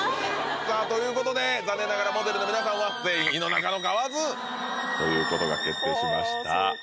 さあということで残念ながらモデルの皆さんは全員井の中の蛙ということが決定しました